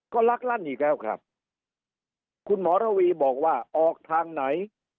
ก็ลักลั่นอีกแล้วครับคุณหมอระวีบอกว่าออกทางไหน